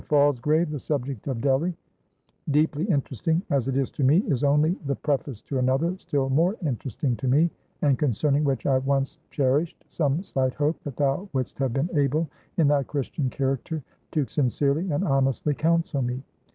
Falsgrave, the subject of Delly, deeply interesting as it is to me, is only the preface to another, still more interesting to me, and concerning which I once cherished some slight hope that thou wouldst have been able, in thy Christian character, to sincerely and honestly counsel me.